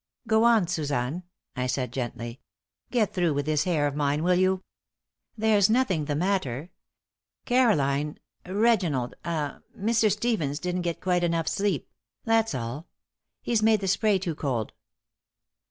"Go on, Suzanne," I said, gently. "Get through with this hair of mine, will you? There's nothing the matter. Caroline Reginald ah Mr. Stevens didn't get quite enough sleep, that's all. He's made the spray too cold."